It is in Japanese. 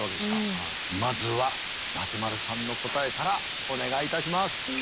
まずは松丸さんの答えからお願いいたします。